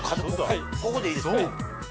はいここでいいですか？